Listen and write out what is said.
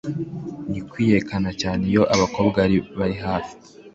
Ni kwiyerekana cyane iyo abakobwa bari hafi